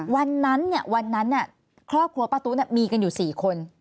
วันนั้นครอบครัวป้าตู้มีกันอยู่๔คน